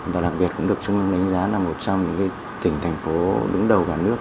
và đặc biệt cũng được trung ương đánh giá là một trong những tỉnh thành phố đứng đầu cả nước